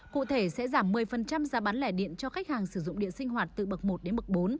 cụ thể sẽ giảm một mươi giá bán lẻ điện cho khách hàng sử dụng điện sinh hoạt từ bậc một đến bậc bốn